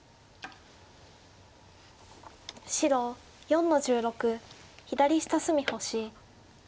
白４の十六左下隅星。